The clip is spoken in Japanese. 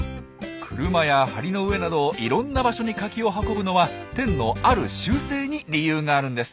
車や梁の上などいろんな場所にカキを運ぶのはテンのある習性に理由があるんです。